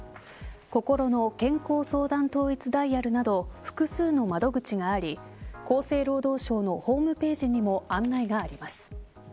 こころの健康相談統一ダイヤルなど複数の窓口があり厚生労働省のホームページにも案内があります。